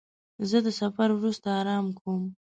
زه د سفر وروسته آرام کوم.